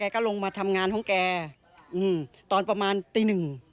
ก็ทุกคนต้องตี